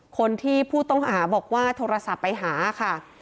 คนที่ผู้ต้องหาบอกว่าโทรศัพท์ไปหาค่ะ